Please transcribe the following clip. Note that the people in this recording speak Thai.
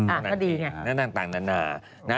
อ่าเท่าดีไงนั้นนานา